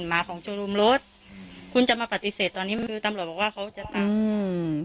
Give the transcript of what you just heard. หมาของจุดรุมรถคุณจะมาปฏิเสธตอนนี้คือตำลอยบอกว่าเขาจะอืม